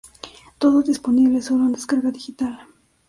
Todos disponibles solo en descarga digital.